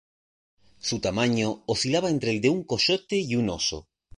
Su tamaño oscilaba entre el de un coyote y un oso.